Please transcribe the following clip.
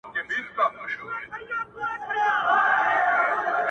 زه يې د خپلې پاکي مينې په انجام نه کړم;